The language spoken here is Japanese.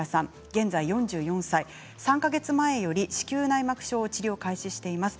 現在４４歳、３か月前より子宮内膜症の治療を開始しています。